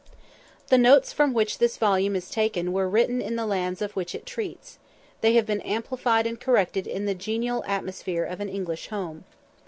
] The notes from which this volume is taken were written in the lands of which it treats: they have been amplified and corrected in the genial atmosphere of an English home.